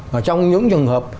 và trong những trường hợp